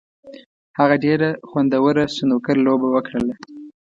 هغه ډېره خوندوره سنوکر لوبه وکړله.